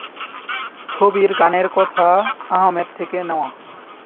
ছবির গানের কথা আহমেদ থেকে নেওয়া।